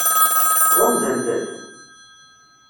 Ɣunzant-t?